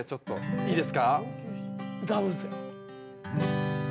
いいですか？